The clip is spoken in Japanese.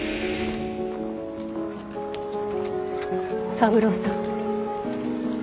三郎さん。